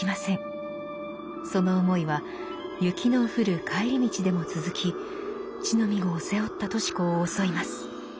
その思いは雪の降る帰り道でも続き乳飲み子を背負ったとし子を襲います。